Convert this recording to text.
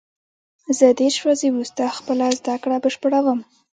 زه دېرش ورځې وروسته خپله زده کړه بشپړوم.